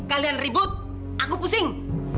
kalian ribut aku pusing